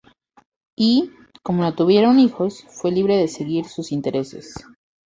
Y, como no tuvieron hijos, fue libre de seguir sus intereses.